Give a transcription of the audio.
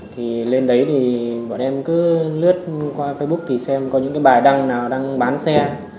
thì lên đấy thì bọn em cứ lướt qua facebook xem có những bài đăng nào đang bán xe